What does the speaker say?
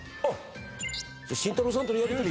慎太郎さんとのやりとり。